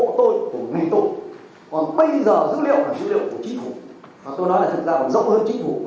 và tôi nói là thật ra còn rộng hơn chính phủ với những đoàn thể là liên quan đến cả hệ thống chính